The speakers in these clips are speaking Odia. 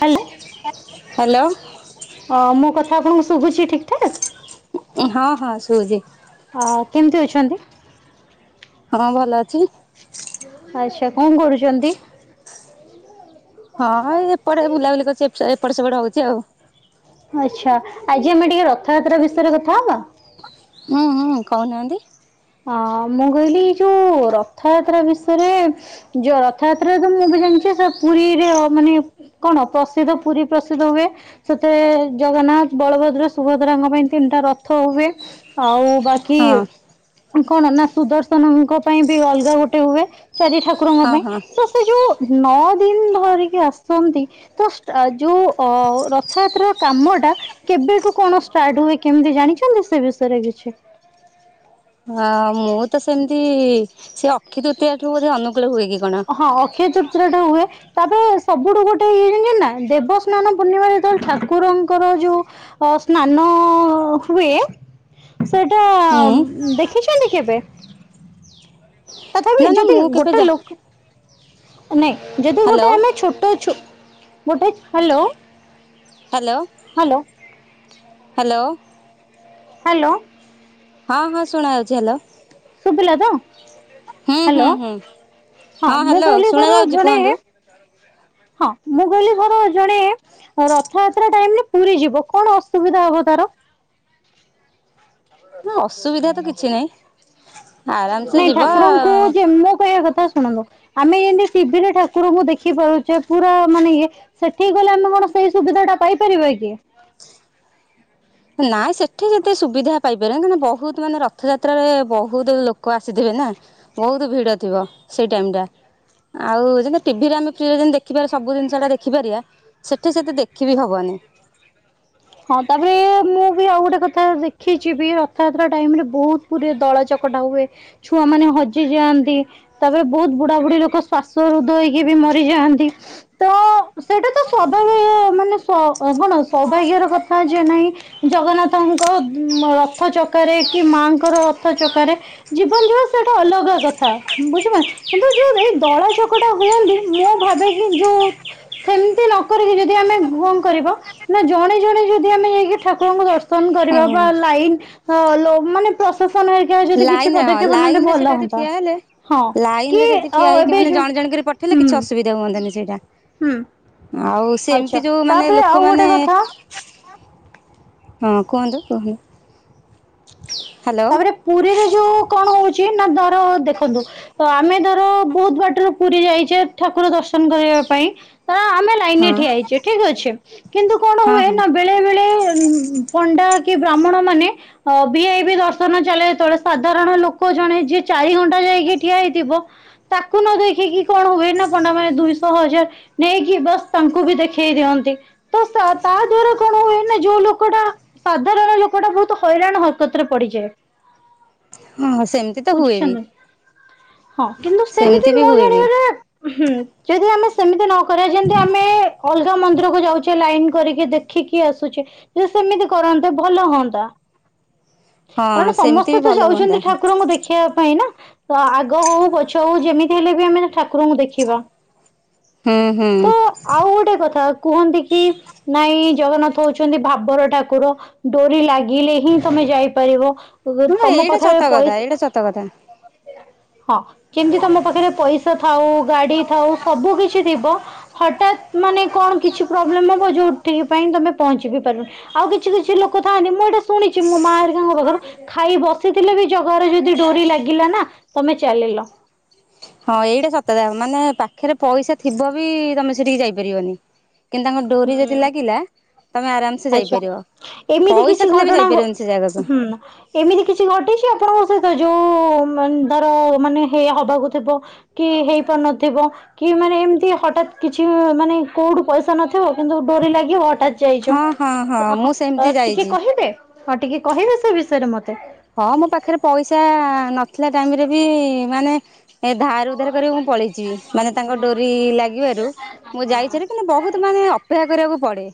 Hello hello. ଅ ମୋ କଥା ଆପଣଙ୍କୁ ଶୁଭୁଚି ଠିକ୍ ଠାକ୍? ହଁ ହଁ ଶୁଭୁଛି। ଆଉ କେମିତି ଅଛନ୍ତି‌? ହଁ ଭଲ ଅଛି। ଆଚ୍ଛା କଣ କରୁଚନ୍ତି? ହଁ ଏଇ ଏପଟେ ବୁଲାବୁଲି କରୁଚି। ଏପସ୍ ଏପଟେ ସେପଟେ ହଉଚି ଆଉ। ଆଚ୍ଛା ଆଜି ଆମେ ଟିକେ ରଥଯାତ୍ରା ବିଷୟରେ କଥାହବା? ଉଁ ହୁଁ କହୁନାହାଁନ୍ତି। ଅ ମୁଁ କହିଲି ଏଇ ଯୋଉ ରଥଯାତ୍ରା ବିଷୟରେ ଯୋଉ ରଥଯାତ୍ରା ତ ମୁଁ ବି ଜାଣିଚି ସେ ପୁରୀରେ ମାନେ କଣ ପ୍ରସିଦ୍ଧ ପୁରୀ ପ୍ରସିଦ୍ଧ ହୁଏ। ସେଥିରେ ଜଗନ୍ନାଥ, ବଳଭଦ୍ର, ସୁଭଦ୍ରାଙ୍କ ପାଇଁ ତିନିଟା ରଥ ହୁଏ। ଆଉ ବାକି ହଁ କଣ ନା ସୁଦର୍ଶନଙ୍କ ପାଇଁ ବି ଅଲଗା ଗୋଟେ ହୁଏ। ଚାରି ଠାକୁରଙ୍କ ହଁ ପାଇଁ। ହଁ ତ ସେ ଯୋଉ ନଅ ଦିନ ଧରିକି ଆସନ୍ତି ତ ଷ୍ଟ୍ ଆ ଯୋଉ ଅ ରଥଯାତ୍ରା ର କାମଟା କେବେଠୁ କଣ ଷ୍ଟାର୍ଟ ହୁଏ କେମିତି ଜାଣିଛନ୍ତି ସେ ବିଷୟରେ କିଛି? ହଁ ମୁଁ ତ ସେମିତି ସେ ଅକ୍ଷିତୃତୀୟ ଠୁ ବୋଧେ ଅନୁ ହଁ ଅକ୍ଷୟ ତୃତ୍ରିଟା ଠୁ ହୁଏ। ତା ପରେ ସବୁଠୁ ଗୋଟେ ଇଏ ଜଣିଚନ୍ତି ନା ଦେବସ୍ନାନ ପୂର୍ଣ୍ଣିମା ଯେତେବେଳେ ଠାକୁରଙ୍କର ଯୋଉ ଅ ସ୍ନାନ ହୁଏ ସେଟା ଅ ହୁଁ ଉଁ ଦେଖିଚନ୍ତି କେବେ? ତଥାପି ନା ନା ଯଦି ମୁଁ କେବେ ଗୋଟେ ଯା ଲୋକ ନାଇଁ ଯଦି ହ୍ୟାଲୋ ଗୋଟେ ଆମେ ଛୋଟଛୁ ଗୋଟେ ହାଲୋ ହାଲୋ ହାଲୋ। ହାଲୋ। ହଁ ହଁ ଶୁଣାଯାଉଚି ହାଲୋ। ଶୁଭିଲ ତ? ହୁଁ ହୁଁ ହ୍ୟାଲୋ ହୁଁ ହଁ ମୁଁ ହ୍ୟାଲୋ କହିଲି ଧର ଶୁଣାଯାଉଚି ଜଣେ କୁହନ୍ତୁ। ହଁ ମୁଁ କହିଲି ଧର ଜଣେ ରଥଯାତ୍ରା ଟାଇମରେ ପୁରୀ ଯିବ କଣ ଅସୁବିଧା ହବ ତାର? ନା ଅସୁବିଧା ତ କିଛି ନାହିଁ। ଆରାମସେ ନାଇଁ ଠାକୁରଙ୍କୁ ଯିବା ଯେ ମୋ କହିବା କଥା ଶୁଣନ୍ତୁ। ଆମେ ଯେମତି ଟି ଭି ରେ ଠାକୁରଙ୍କୁ ଦେଖି ପାରୁଚେ। ପୁରା ମାନେ ଇଏ ସେଠିକି ଗଲେ ଆମେ କଣ ସେଇ ସୁବିଧା ଟା ପାଇପାରିବା କି? ନାଇଁ ସେଠି ଯେତେ ସୁବିଧା ପାଇପାରିବାନି। କାଇଁ ନା ବହୁତ ମାନେ ରଥଯାତ୍ରାରେ ବହୁତ ଲୋକ ଆସିଥିବେ ନା। ବହୁତ ଭିଡ଼ ଥିବ ସେଇ ଟାଇମଟା। ଆଉ ଯେମିତି ଟି ଭିରେ ଫ୍ରୀରେ ଯେମିତି ଦେଖିପାରିବା ସବୁ ଜିନିଷ ଟା ଦେଖିପାରିବା। ସେଠି ସେତେ ଦେଖିବି ହବନି। ହଁ ତା ପରେ ମୁଁ ବି ଆଉ ଗୋଟେ କଥା ଦେଖିଚି ବି ରଥଯାତ୍ରା ଟାଇମରେ ବହୁତ ପୁରୀ ରେ ଦଳ ଚକଟା ହୁଏ। ଛୁଆମାନେ ହଜିଯାଆନ୍ତି। ତା ପରେ ବହୁତ ବୁଢା ବୁଢ଼ୀ ଲୋକ ଶ୍ୱାସ ରୁଦ୍ଧ ହେଇକି ବି ମରିଯାଆନ୍ତି। ତ ସେଇଟା ତ ସ୍ୱଭାବି ମାନେ ସୋ କଣ ସୌଭାଗ୍ୟର କଥା ଯେ ନାହିଁ ଜଗନ୍ନାଥଙ୍କ ରଥ ଚକାରେ କି ମାଆ ଙ୍କର ରଥ ଚକାରେ ଜୀବନ ଯିବ ସେଟା ଗୋଟେ ଅଲଗା କଥା। ବୁଝିପାଇ କିନ୍ତୁ ଯୋଉ ରେ ଦଳା ଚକଟା ହୁଅନ୍ତି ମୁଁ ଭାବେକି ଯୋଉ ସେମିତି ନ କରିକି ଯଦି ଆମେ ଘୁ ଅଙ୍କ କରିବ। ନା ଜଣେ ଜଣେ ଯଦି ଆମେ ଯାଇକି ଠାକୁରଙ୍କୁ ଦର୍ଶନ କରିବା ହୁଁ ବା ଲାଇନ ଆ ଲୋ ମାନେ ପ୍ରଶାସନ ହେଇ ଲାଇନ୍ ରେ ହଁ ଲାଇନ୍ ରେ ସେଟା ଯଦି ଠିଆ ହେଲେ ହଁ କି ଲାଇନଲ୍ ରେ ଯଦି ଠିଆ ଆଉ ହେଇକି ଏବେ ମାନେ ଯୋଉ ଜଣ ଜଣ କରି ପଠେଇଲେ ହୁଁ କିଛି ଅସୁବିଧା ହୁଅନ୍ତାନି ସେଇଟା। ହୁଁ। ଆଉ ଆଚ୍ଛା ସେମିତି ଯୋଉ ମାନେ ତାପରେ ଆଉ ଗୋଟେ ଲୋକମାନେ କଥା ହଁ କୁହନ୍ତୁ କୁହନ୍ତୁ। ହ୍ୟାଲୋ ତାପରେ ପୁରୀରେ ଯୋଉ କଣ ହଉଛି ନା ଧର ଦେଖନ୍ତୁ। ତ ଆମେ ଧର ବହୁତ ବାଟରୁ ପୁରୀ ଯାଇଚେ ଠାକୁର ଦର୍ଶନ କରିବା ପାଇଁ ତ ଆମେ ଲାଇନରେ ହଁ ଠିଆହେଇଛେ କିଠ ଅଛି କିନ୍ତୁ କଣ ହଁ ହୁଏ ହଁ। ବେଳେ ବେଳେ ଉଁ ପଣ୍ଡା କି ବ୍ରାହ୍ମଣ ମାନେ ଅ ବି ଆଇ ପି ଦର୍ଶନ ନ ଚାଲେ ଯେତେବେଳେ ସାଧାରଣ ଲୋକ ଜଣେ ଯିଏ ଚାରି ଘଣ୍ଟା ଯାଇକି ଠିଆ ହେଇଥିବ। ତାକୁ ନ ଦେଖିକି କଣ ହୁଏ ନା ପଣ୍ଡା ମାନେ ଦୁଇଶହ ହଜାର ନେଇକି ବସ୍ ତାଙ୍କୁ ବି ଦେଖେଇ ଦିଅନ୍ତି। ତ ସ ତା ଦ୍ବାରା କଣ ହୁଏ ନା ଯଉ ଲୋକଟା ସାଧାରଣ ଲୋକଟା ବହୁତ ହଇରାଣ ହରକତରେ ପଡିଯାଏ। ହଁ ସେମିତି ତ ହୁଏ ବି ବୁଝିଛନ୍ତି ହଁ କିନ୍ତୁ ସେମିତି ବି ମୋ ହୁଏ ବି। ଜାଣିବାରେ ହୁଁ ଯଦି ଆମେ ସେମିତି ନ କରିବା ଯେମିତି ଆମେ ଅଲଗା ମନ୍ଦିରକୁ ଯାଉଚେ ଲାଇନ କରିକି ଦେଖି ଦେଖିକି ଆସୁଛେ ଯଦି ସେମିତି କରନ୍ତେ ଭଲ ହଅନ୍ତା। ହଁ କାରଣ ସେମିତି ସମସ୍ତେ ବି ତ ଭଲ ହୁଅନ୍ତା ଯାଉଛନ୍ତି ଠାକୁରଙ୍କୁ ଦେଖିବା ପାଇଁ ନା ତ ଆଗ ହଉ ପଛ ହଉ ଯେମିତି ହେଲେ ବି ଆମେ ମାନେ ଠାକୁରଙ୍କୁ ଦେଖିବା। ହୁଁ ହୁଁ। ତ ଆଉ ଗୋଟେ କଥା କୁହନ୍ତି କି ନାଇଁ ଜଗନ୍ନାଥ ହଉଛନ୍ତି ଭାବର ଠାକୁର ଡୋରି ଲାଗିଲେ ହିଁ ତମେ ଯାଇପାରିବ। ଶୁଣ ତମ ଏଇଟା ପାଖରେ ସତ କଥା ପଇସା ଏଇଟା ସତ କଥା। ହଁ କେମିତି ତମ ପାଖରେ ପଇସା ଥାଉ ଗାଡି ଥାଉ ସବୁ କିଛି ଥିବ। ହଠାତ୍ ମାନେ କଣ କିଛି ପ୍ରୋବ୍ଲେମ ହବ ଯୋଉଠିକି ପାଇଁ ତମେ ପହଞ୍ଚି ବି ପାରୁନ। ଆଉ କିଛି କିଛି ଲୋକ ଥାନ୍ତି ମୁଁ ଏଇଟା ଶୁଣିଛି ମୋ ମାଁ ଏରିକାଙ୍କ ପାଖରୁ ଖାଇ ବସିଥିଲେ ବି ଜଗାରେ ଯଦି ଡୋରି ଲାଗିଲା ନା ତମେ ଚାଲିଲ। ହଁ ଏଇଟା ସତ କଥା ମାନେ ପାଖରେ ପଇସା ଥିବ ବି ତମେ ସେଠିକି ଯାଇ ପାରିବନି। କିନ୍ତୁ ତାଙ୍କ ଡୋରି ଯଦି ଲାଗିଲା। ତମେ ଆରାମସେ ଆଛା ଯାଇପାରିବ ଏମିତି ପଇସା କିଛି ଥିଲେ ବି ଘଟଣା ଘ ଯାଇପାରିବନି ସେ ଜାଗାକୁ ହୁଁ ଏମିତି କିଛି ଘଟିଛି ଆପଣଙ୍କ ସହିତ ଯୋଉ ମାନ ଧର ମାନେ ହେଇ ହବାକୁ ଥିବ କି ହେଇ ପାରୁନଥିବ କି ମାନେ ଏମିତି ହଠାତ୍ କିଛି ମାନେ କୋଉଠୁ ପଇସା ନ ଥିବ କିନ୍ତୁ ଡୋରି ଲାଗିବ ହଠାତ୍ ଯାଇଛ ହଁ ହଁ ଅଁ ମୁଁ ହଁ ସେମିତି ଅ ଟିକେ ଯାଇଛି କହିବେ? ହଁ ଟିକେ କହିବେ ସେ ବିଷୟରେ ମତେ? ହଁ ମୋ ପାଖରେ ପଇସା ନଥିଲା ଟାଇମ ରେ ବି ମାନେ ଏ ଧାର ଉଧାର କର ମୁଁ ପଳେଇଚି ମାନେ ତାଙ୍କ ଡୋରି ଲାଗିବାରୁ ମୁଁ ଯାଇଛି ହରି କିନ୍ତୁ ବହୁତ ମାନେ ଅପ ଅପେକ୍ଷା କରିବାକୁ ପଡେ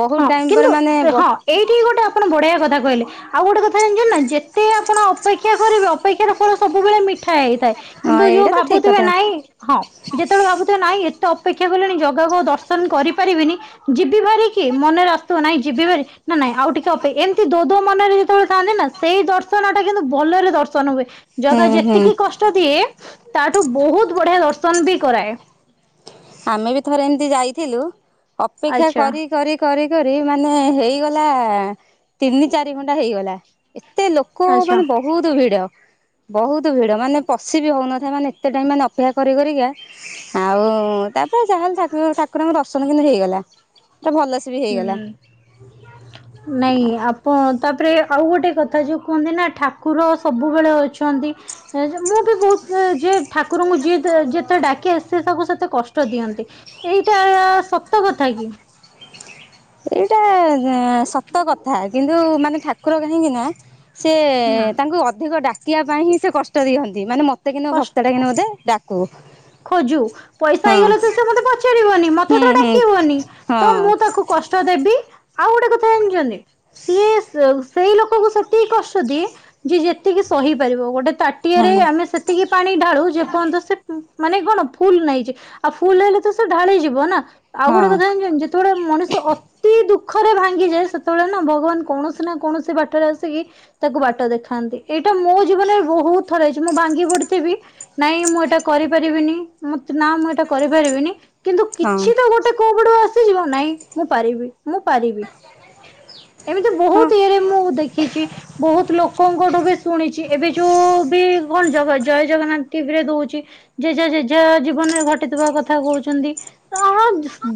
ବହୁତ ଟାଇମ ପରେ ମାନେ ବ ଏଇଠିକି ଗୋଟେ ଆପଣ ବଢ଼ିଆ କଥା କହିଲେ। ଆଉ ଗୋଟେ କଥା ଜାଣିଛ ନା ଯେତେ ଆପଣ ଅପେକ୍ଷା କରିବେ ଅପେକ୍ଷାର ଫଳ ସବୁବେଳେ ମିଠା ହେଇଥାଏ। ହଁ କିନ୍ତୁ ଯୋଉ ଏଇଟା ତ ଠିକ ଭାବୁଥିବେ କଥା ନାଇଁ ହଁ ଯେତେବେଳେ ଭାବୁଥିବେ ନାଇଁ ଏତ ତ ଅପେକ୍ଷା କଲିଣି ଜଗାକୁ ଆଉ ଦର୍ଶନ କରି ପାରିବିନି। ଯିବି ଭାରି କି ମନରେ ଆସୁଥିବ ନାଇଁ ଯିବିିଭାରି ନା ନାଇଁ ଆଉ ଟିକେ ଅପେକ୍ଷା ଏମିତି ଦୋ ଦୋ ମନରେ ଯେତେବେଳେ ଥାନ୍ତି ନା ସେଇ ଦର୍ଶନ ଟା କିନ୍ତୁ ବଲରେ ଦର୍ଶନ ହୁଏ ଜଗା ହୁଁ ହୁଁ ଯେତିକି କଷ୍ଟ ଦିଏ। ତାଠୁ ବହୁତ ବଢିଆ ଦର୍ଶନ ବି କରାଏ। ଆମେ ବି ଥରେ ଏମିତି ଯାଇଥିଲୁ ଅପେକ୍ଷା ଆଚ୍ଛା କରି କରି କରି କରି ମାନେ ହେଇଗଲା ତିନି ଚାରି ଘଣ୍ଟା ହେଇଗଲା ତ ଏତେ ଲୋକ ଆଚ୍ଛା ମାନେ ବହୁତ ଭିଡ। ବହୁତ ଭିଡ ମାନେ ପଶି ବି ହଉନଥାଏ ମାନେ ଏତେ ଟାଇମ ମାନେ ଅପେକ୍ଷା କରି କରିକା ଆଉ ତାପରେ ଯାହାହେଲେ ଠାକୁର ଠାକୁରଙ୍କ ଦର୍ଶନ କିନ୍ତୁ ହେଇଗଲା ପୁରା ଭଲ ସେ ବି ହେଇଗଲା ହୁଁ ନାଇଁ ଆ ତାପରେ ଆଉ ଗୋଟେ କଥା ଯୋଉ କୁହନ୍ତି ନା ଠାକୁର ସବୁବେଳେ ଅଛନ୍ତି। ମୁଁ ବି ବହୁତ ଯେ ଠାକୁରଙ୍କୁ ଯିଏ ଯେତେ ଡାକେ ସେ ତାକୁ ସେତେ କଷ୍ଟ ଦିଅନ୍ତି। ଏଇଟା ସତ କଥା କି? ଏଇଟା ସତ କଥା କିନ୍ତୁ ମାନେ ଠାକୁର କାହିଁକି ନା ସେ ତାଙ୍କୁ ଅଧିକ ଡାକିବା ପାଇଁ ହିଁ ସେ କଷ୍ଟ ଦିଅନ୍ତି ମାନେ ମତେ କି କଷ୍ଟ ଭକ୍ତଟା କିନ୍ତି ବୋଧେ ଡାକ୍ କୁ। ଖୋଜୁ ପଇସା ହେଇଗଲେ ତ ସେ ମତେ ପଚାରିବନି ମତେ ହୁଁ ଏଥର ହୁଁ ଡାକିବନି ହଁ ତ ମୁଁ ତାକୁ କଷ୍ଟ ଦେବି ଆଉ ଗୋଟେ କଥା ଜାଣିଛନ୍ତି ସିଏ ସେଇ ଲୋକକୁ ସେତିକି କଷ୍ଟ ଦିଏ ଯିଏ ଯେତ୍ ସେତିକି ସହି ପାରିବ ଗୋଟେ ହଁ ତାଟିଆରେ ହଁ ଆମେ ସେତିକି ପାଣି ଢାଳୁ ଯେ ପର୍ଯ୍ୟନ୍ତ ସେ ମାନେ କଣ ଫୁଲ ନେଇଛି ଆଉ ଫୁଲ ହେଲେ ତ ସେ ଢାଳିଯିବ ନା ଆଉ ଗୋଟେ କଥା ହଁ ଜାଣିଛନ୍ତି ଯେତେବେଳେ ମଣିଷ ଅତ୍ ଅତି ଦୁଃଖରେ ଭାଙ୍ଗିଯାଏ ସେତେବେଳେ ନା ଭଗବାନ କୌଣସି ନା କୌଣସି ବାଟରେ ଆସିକି ତାକୁ ବାଟ ଦେଖାନ୍ତି ଏଇଟା ମୋ ଜୀବନରେ ବହୁତ ଥର ହେଇଛି ମୁଁ ଭାଙ୍ଗି ପଡିଥିବି ନାଇଁ ମୁଁ ଏଇଟା କରି ପାରିବିନି ନା ମୁଁ ଏଇଟା କରିପାରିବିନି କିନ୍ତୁ କିଛି ତ ଗୋଟେ କୋଉ ପଟୁ ଆସ ସିଯିବ ନାଇଁ ମୁଁ ପାରିବି ମୁଁ ପାରିବି ଏମତି ହଁ ବହୁତ ଇଏରେ ମୁଁ ଦେଖିଛି ବହୁତ ଲୋକଙ୍କଠୁ ବି ଶୁଣିଛି ଏବେ ଯୋଉ ବି ଜ ଜୟ ଜଗନ୍ନାଥ ଟିଭି ରେ ଦଉଛି। ଜେଝା ଜେଝା ଜୀବନରେ ଘଟିଥିବା କଥା କହୁଛନ୍ତି। ତ ଅ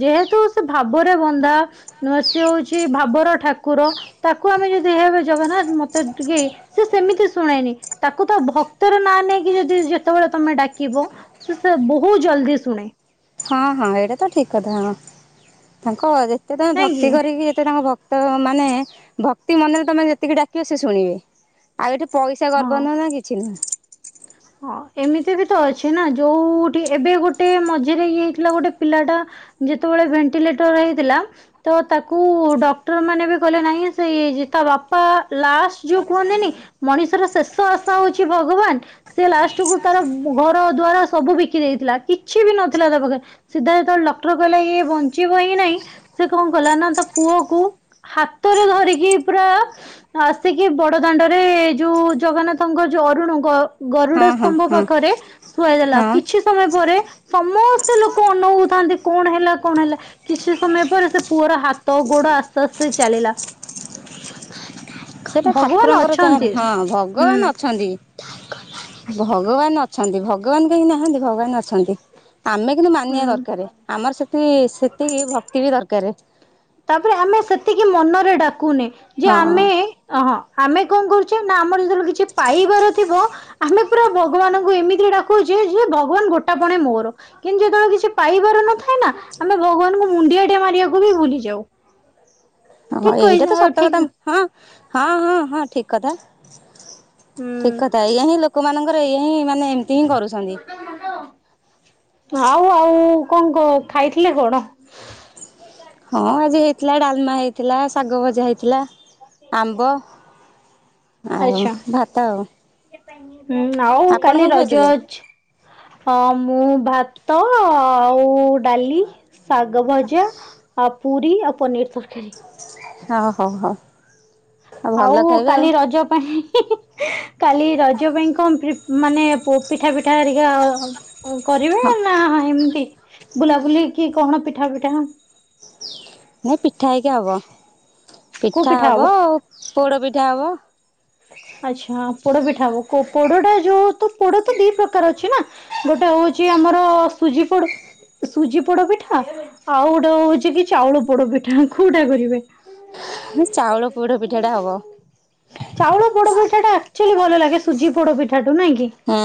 ଯେହେତୁ ସେ ଭାବରେ ବନ୍ଧା ନ ସେ ହଉଛି ଭାବର ଠାକୁର ତାକୁ ଆମେ ଯଦି ଏ ଜଗନ୍ନାଥ ମତେ ଟିକେ ସେ ସେମିତି ଶୁଣେନି ତାକୁ ତ ଭକ୍ତର ନାଁ ନେଇକି ଯଦି ଯେତେବେଳେ ତମେ ଡା କିବ ସେ ସେ ବହୁତ ଜଲଦି ଶୁଣେ। ହଁ ହଁ ଏଇଟା ତ ଠିକ କଥା ହଁ ତାଙ୍କ ଯେତେ ତମେ ନାଇଁ କି ଭକ୍ତି କରିକି ତେ ତାଙ୍କ ଭକ୍ତମାନେ ଭକ୍ତି ମନରେ ତମେ ଯେତିକି ଡାକିବ ସେ ଶୁଣିବେ। ଆଉ ଏଠି ପଇସା ହଁ। ଗର୍ବ ନୁହଁ ନା କିଛି ନୁହଁ। ହଁ ଏମିତି ବି ତ ଅଛି ନା ଯୋଉଠି ଏବେ ଗୋଟେ ମଝିରେ ଇଏ ହେଇଥିଲା ଗୋଟେ ପିଲାଟା ଯେତେବେଳେ ଭେଣ୍ଟିଲେଟର ହେଇଥିଲା ତ ତାକୁ ଡକ୍ଟର ମାନେ ବି କହଲେ ନାହିଁ ସେ ଇଏ ହେଇ ଯାଇଛି ତା ବାପା ଲାଷ୍ଟ ଯୋଉ କୁହନ୍ତିନି ମଣିଷର ଶେଷ ଆଶା ହଉଛି ଭଗବାନ ସେ ଲାଷ୍ଟ କୁ ତାର ଘର ଦ୍ଵାରା ସବୁ ବିକି ଦେଇଥିଲା କିଛି ବି ନଥିଲା ତା ପାଖରେ ସିଧା ସତେବେଳେ ଡକ୍ଟର କହିଲେ ଇ ବଞ୍ଚିବ ହିଁ ନାଇଁ ସେ କଣ କଲା ନା ତା ପୁଅ କୁ ହାତରେ ଧରିକି ପୁରା ଆସିକି ବଡ ଦାଣ୍ଡରେ ଯୋଉ ଜଗନ୍ନାଥଙ୍କ ଯୋଉ ଅରୁଣ ଗ ହଁ ଗରୁଡ ହଁ ସ୍ତମ୍ଭ ହଁ ପାଖରେ ଶୁଆଇ ଦେଲା ହଁ କିଛି ସମୟ ପରେ ସମସ୍ତେ ଲୋକ ଅନଉଥାନ୍ତି କଣ ହେଲା କଣ ହେଲା କିଛି ସମୟ ପରେ ସେ ପୁଅର ହାତ ଗୋଡ ଆସ୍ତେ ଆସ୍ତେ ଚାଲିଲା। [inaudible] ସେଟା ଭଗବାନ ଠାକୁରଙ୍କର ଅଛନ୍ତି। ହଁ ହୁଁ ଭଗବାନ ଅଛନ୍ତି ଭଗବାନ ଅ ଛନ୍ତି ଭଗବାନ କାହିଁ ନାହାନ୍ତି ଭଗବାନ ଅଛନ୍ତି। ଆମେ କିନ୍ତୁ ମାନିବା ହୁଁ। ଦରକାର ଆମର ସେତି ସେତିକି ଭକ୍ତି ବି ଦରକାର। ତାପରେ ଆମେ ସେତିକି ମନରେ ଡାକୁନେ, ଯେ ହଁ ଆମେ ଅହଁ ଆମେ କଣ କରୁଛେ ନା ଆମର ଯେତେବେଳେ କିଛି ପାଇବାର ଥିବ ଆମେ ପୁରା ଭଗବାନଙ୍କୁ ଏମିତି ଡାକୁଛେ ଯେ ଭଗବାନ ଗୋଟା ପଣେ ମୋର। କିନ୍ତୁ ଯେତେବେଳେ କିଛି ପାଇବାର ନଥାଏ ନା ଆମେ ଭଗବାନଙ୍କୁ ମୁଣ୍ଡିଆ ଟିଏ ମାରିବାକୁ ବି ଭୁଲି ଯାଉ। [inaudible] ଓ ଠିକ କହି ଏଇଟା ତ ସତ କଥା ଠିକ ହଁ ହଁ ହଁ ହଁ ଠିକ କଥା। ଠିକ ହୁଁ କଥା ଏଇଆ ହିଁ ଲୋକମାନଙ୍କର ଏଇ ହିଁ ମାନେ ଏମିତି ହିଁ କରୁଛନ୍ତି। ଆଉ ଆଉ କଣ କ ଖାଇଥିଲେ କଣ? ହଁ ଆଜି ହେଇଥିଲା ଡାଲମା ହେଇଥିଲା ଶାଗ ଭଜା ହେଇଥିଲା। ଆମ୍ବ ଆଉ ଆଚ୍ଛା ଭାତ ଆଉ। ହୁଁ ଆଉ ଆପଣ କାଲି କଣ ରଜ ଖାଇଥିଲେ? ଅଛି। ହଁ ମୁଁ ଭାତ ଆଉ ଡାଲି ଶାଗ ଭଜା ଆଉ ପୁରୀ ଆଉ ପନିରି ତରକାରୀ। ଅ ହ ହ। ଆଉ କାଲି ରଜ ପାଇଁ କାଲି ରଜ ପାଇଁ କଣ ପ୍ରୀ ମାନେ ପିଠା ପିଠା ହେରିକା କରିବେ ହଁ ନା ଏମିତି ବୁଲାବୁଲି କି କଣ ପିଠା ପିଠା ମୁଁ ପିଠା ହେଇକା ହବ ପିଠା ହବ ପୋଡ଼ ପିଠା ହବ। ଆଚ୍ଛା ପୋଡ ପିଠା ହବ, କୋ ପୋଡଟା ଯୋଉ ତ ପୋଡ ତ ଦି ପ୍ରକାର ଅଛି ନା? ଗୋଟେ ହଉଚି ଆମର ସୁଜି ପୋଡ ସୁଜି ପୋଡପିଠା ଆଉ ଗୋଟେ ହଉଛି କି ଚାଉଳ ପୋଡପିଠା କୋଉଟା କରିବେ? ଚାଉଳ ପୋଡ ପିଠାଟା ହବ। ଚାଉଳ ପୋଡପିଠା ଟା ଆକ୍ ଚାଲି ଭଲ ଲାଗେ ସୁଜି ପୋଡପିଠା ହୁଁ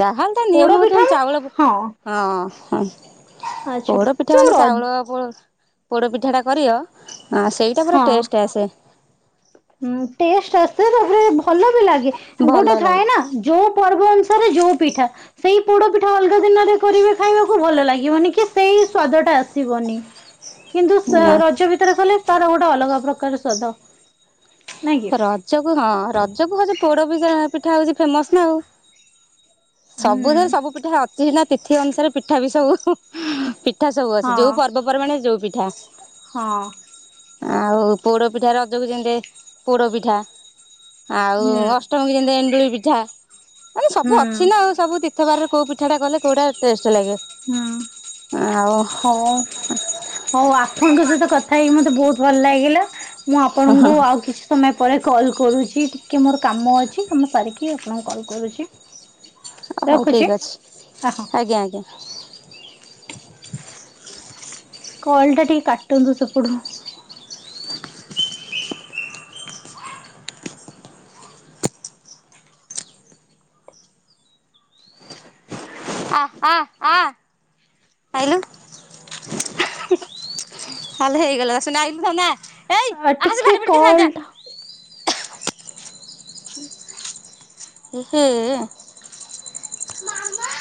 ଯାହେଲେ ତା ପୋଡ ନିୟମ ହଉ ପିଠା ଚନ୍ ଚାଉଳ ହଁ ହଁ। ଆଚ୍ଛା ପୋଡ ପିଠା ଯୋଉ ମାନେ ର ଚାଉଳ ପୋ ପୋଡ଼ପିଠାଟା କରିବ ସେଇଟା ପୁରା ଟେଷ୍ଟଆସେ। ହୁଁ ଟେଷ୍ଟ ଆସେ ତାପରେ ଭଲ ବି ଲାଗେ ଭଲ ଗୋଟେ ଲାଗେ ଥାଏ ନା ଯୋଉ ପର୍ବ ଅନୁସାରେ ଯୋଉ ପିଠା। ସେଇ ପୋଡ ପିଠା ଅଲଗା ଦିନରେ କରିବେ ଖାଇବାକୁ ଭଲ ଲାଗିବନି କି ସେଇ ସ୍ଵାଦ ଟା ଆସିବନି। [inaudible] କିନ୍ତୁ ସେ ନା ରଜ ଭିତରେ କଲେ ତାର ଗୋଟେ ଅଲଗା ପ୍ରକାର ସ୍ଵାଦ। ନାଇଁ କି ରଜକୁ ହଁ ରଜକୁ ହଉଛି ପୋଡ ବି ପିଠା ହଉଛି ଫେମସ ନା ଆଉ। ହୁଁ ସବୁଥିରେ ସବୁ ପିଠା ଅଛି ହେଲା ତିଥି ଅନୁସାରେ ପିଠା ବି ସବୁ ପି ପିଠା ସବୁ ଅଛି ହଁ ଯୋଉ ପର୍ବପର୍ବାଣୀ ଯୋଉ ପିଠା। ହଁ। ଆଉ ପୋଡ ପିଠା ରଜକୁ ଯେମିତି ପୋଡ ପିଠା। ଆଉ ହୁଁ ଅଷ୍ଟମୀ କି ଯେମିତି ଏଣ୍ଡୁଳି ପିଠା। ମାନେ ସବୁ ହୁଁ ଅଛି ନା ଆଉ ସବୁ ତୀର୍ଥ ବାରରେ କୋଉ ପିଠାଟା କଲେ କୋଉଟା ଟେଷ୍ଟ ଲାଗେ। ହୁଁ ଆଉ ହବ। ହଉ ଆପଣଙ୍କ ସହିତ କଥା ହେଇକି ମତେ ବହୁତ୍ ଭଲ ଲାଗିଲା ମୁଁ ଆପଣଙ୍କୁ ଆଉ କିଛି ସମୟ ପରେ କଲ୍ କରୁଛି ଟିକେ ମୋର କାମ ଅଛି କାମ ସାରିକି ଆପଣଙ୍କୁ କଲ୍ କରୁଛି। ହଉ ରଖୁଛି ଠିକ୍ ଅଛି ଆ ହଁ ଆଜ୍ଞା ଆଜ୍ଞା। କଲ୍ ଟା ଟିକେ କାଟନ୍ତୁ ସେପଟୁ। ଆ ଆ ଆ ଆଇଲୁ। ଆଲୋ ହେଇଗଲା ସୁନା ଆଇଲୁ ଧନ ଆ। ଆ ଟିକେ କଲ୍ଟ କି। ଏହେ।